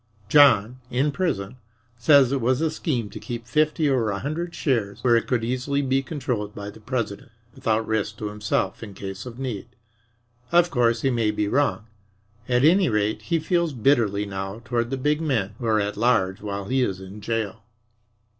John, in prison, says it was a scheme to keep fifty or a hundred shares where it could easily be controlled by the president, without risk to himself, in case of need. Of course, he may be wrong. At any rate, he feels bitterly now toward the big men who are at large while he is in jail.